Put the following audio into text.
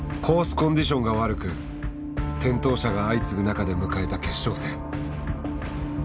コンディションが悪く転倒者が相次ぐ中で迎えた決勝戦。